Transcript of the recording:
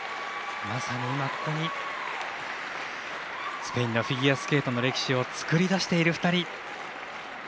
まさに今、ここにスペインのフィギュアスケートの歴史を作り出している２人。